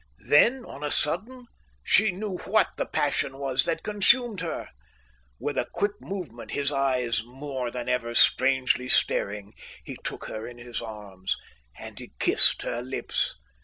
Then, on a sudden, she knew what the passion was that consumed her. With a quick movement, his eyes more than ever strangely staring, he took her in his arms, and he kissed her lips.